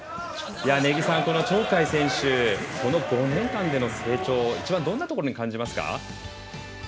根木さん、鳥海選手５年間での成長は一番どんなところに感じますか？